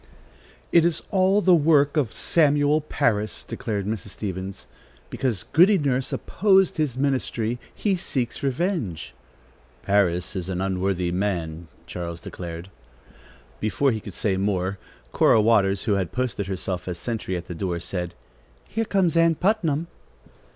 "It is all the work of Samuel Parris," declared Mrs. Stevens. "Because Goody Nurse opposed his ministry, he seeks revenge." "Parris is an unworthy man," Charles declared. Before he could say more, Cora Waters, who had posted herself as a sentry at the door said: "Here comes Ann Putnam."